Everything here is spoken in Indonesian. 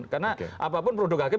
karena apapun produk hakim